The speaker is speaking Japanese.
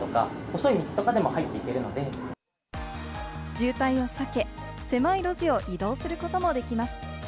渋滞を避け、狭い路地を移動することもできます。